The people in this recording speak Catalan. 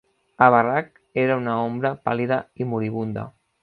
Abarrach era una ombra pàl·lida i moribunda.